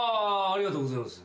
ありがとうございます。